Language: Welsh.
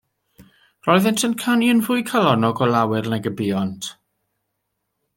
Roeddent yn canu yn fwy calonnog o lawer nag y buont.